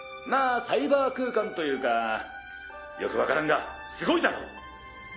まあサイバー空間というかよく分からんがすごいだろ！